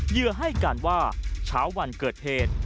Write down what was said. เหยื่อให้การว่าเช้าวันเกิดเหตุ